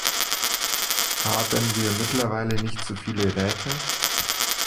Haben wir mittlerweile nicht zu viele Räte?